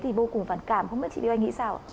thì vô cùng phản cảm không biết chị điêu anh nghĩ sao